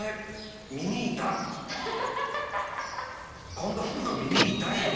コンドームの耳痛いよ。